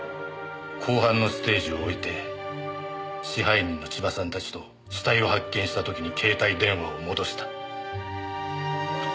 後半のステージを終えて支配人の千葉さんたちと死体を発見した時に携帯電話を戻した。